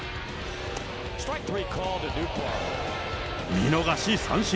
見逃し三振。